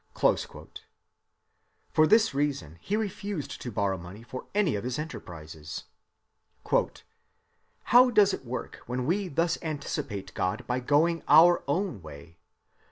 (310) For this reason he refused to borrow money for any of his enterprises. "How does it work when we thus anticipate God by going our own way?